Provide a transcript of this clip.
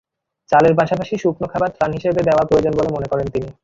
চালের পাশাপাশি শুকনো খাবার ত্রাণ হিসেবে দেওয়া প্রয়োজন বলে মনে করেন তিনি।